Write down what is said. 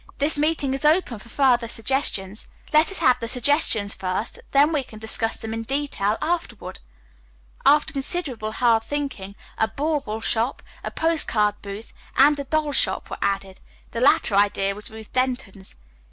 "This meeting is open for further suggestions. Let us have the suggestions first, then we can discuss them in detail afterward." After considerable hard thinking, a "bauble shop," a postcard booth, and a doll shop were added. The latter idea was Ruth Denton's.